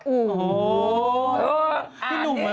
โอ้โหอ่